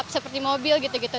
seperti mobil gitu gitu